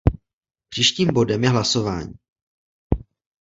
Příštím bodem je hlasování.